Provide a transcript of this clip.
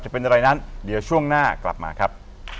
จะเป็นอะไรนั้นเดี๋ยวช่วงหน้ากลับมาครับ